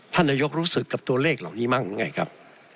ท่านนายกรู้สึกกับตัวเลขเหล่านี้บ้างหรือไงครับ